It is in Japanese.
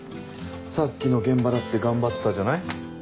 さっきの現場だって頑張ってたじゃない。